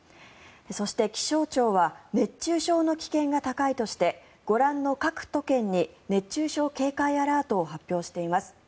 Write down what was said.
そして、気象庁は熱中症の危険が高いとしてご覧の各都県に熱中症警戒アラートを発表しています。